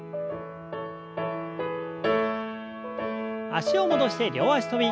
脚を戻して両脚跳び。